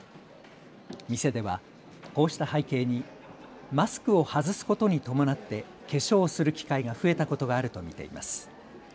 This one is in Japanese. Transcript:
店ではこうした背景にマスクを外すことに伴って化粧をする機会が増えたことがあると見ています。